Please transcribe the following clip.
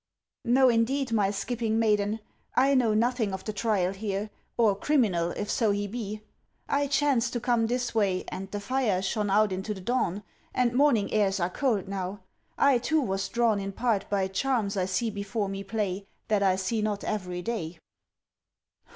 "No indeed, my skipping maiden: I know nothing of the trial here, Or criminal, if so he be.—I chanced to come this way, And the fire shone out into the dawn, and morning airs are cold now; I, too, was drawn in part by charms I see before me play, That I see not every day."